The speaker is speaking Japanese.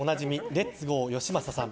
レッツゴーよしまささん。